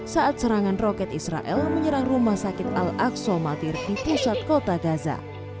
saat serangan roket israel menyerang rumah sakit al aqsa matir di pusat kota gaza